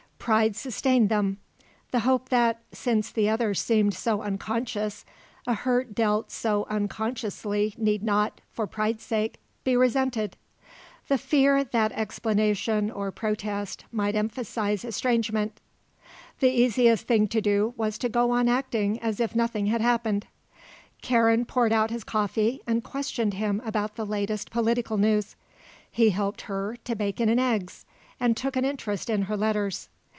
Pride sustained them; the hope that, since the other seemed so unconscious, a hurt dealt so unconsciously need not, for pride's sake, be resented; the fear that explanation or protest might emphasise estrangement. The easiest thing to do was to go on acting as if nothing had happened. Karen poured out his coffee and questioned him about the latest political news. He helped her to eggs and bacon and took an interest in her letters.